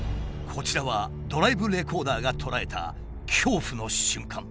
こちらはドライブレコーダーが捉えた恐怖の瞬間。